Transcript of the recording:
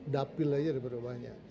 dapil aja daripada banyak